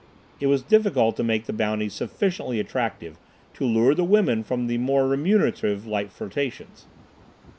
It was difficult to make the bounties sufficiently attractive to lure the women from their more remunerative light flirtations.